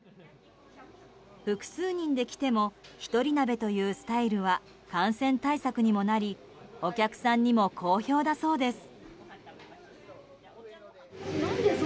複数人で来ても１人鍋というスタイルは感染対策にもなりお客さんにも好評だそうです。